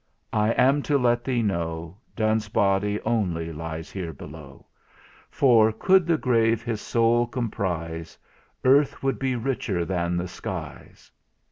I am to let thee know, Donne's body only lies below; For, could the grave his soul comprise, Earth would be richer than the skies!"